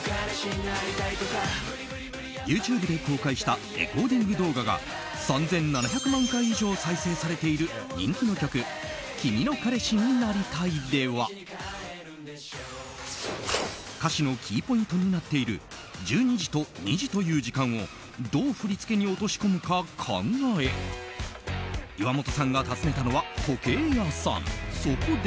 ＹｏｕＴｕｂｅで公開したレコーディング動画が３７００万回以上再生されている人気の曲「君の彼氏になりたい」では歌詞のキーポイントになっている１２時と２時という時間をどう振り付けに落とし込むか考え岩本さんが訪ねたのは時計屋さん。